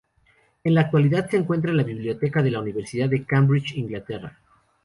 En la actualidad se encuentra en la Biblioteca de la Universidad de Cambridge, Inglaterra.